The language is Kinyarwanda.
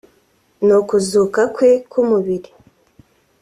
n’ukuzuka kwe ku mubiri